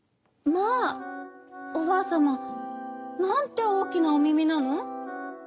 「まあおばあさまなんておおきなおめめなの？」。